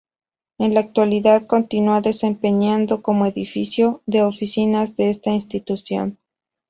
En la actualidad continúa desempeñando como edificio de oficinas de esta institución.